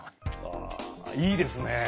あいいですね。